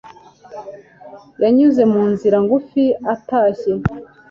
Yanyuze mu nzira ngufi atashye